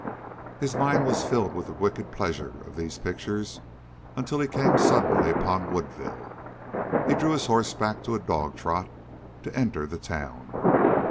His mind was filled with the wicked pleasure of these pictures until he came suddenly upon Woodville. He drew his horse back to a dogtrot to enter the town.